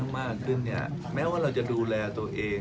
มากขึ้นเนี่ยแม้ว่าเราจะดูแลตัวเอง